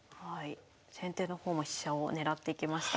先手の方も飛車を狙ってきました。